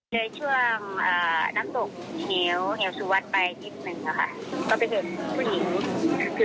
ในช่วงน้ำตกเฉียวเหงียวสุวรรค์ไปนิดนึงนะคะ